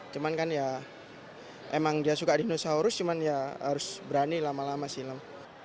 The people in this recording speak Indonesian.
cuman kan ya emang dia suka dinosaurus cuman ya harus berani lama lama silam